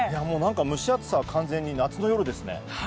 蒸し暑さは完全に夏の夜ですね。